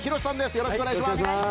よろしくお願いします。